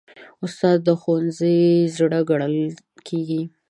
استاد د ښوونځي زړه ګڼل کېږي.